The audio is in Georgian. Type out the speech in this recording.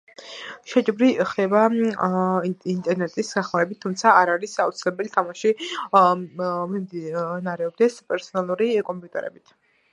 შეჯიბრი ხდება ინტერნეტის დახმარებით, თუმცა არ არის აუცილებელი თამაში მიმდინარეობდეს პერსონალური კომპიუტერით.